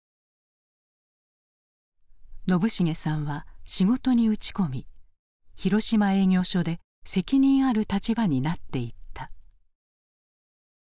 宣茂さんは仕事に打ち込み広島営業所で責任ある立場になっていった。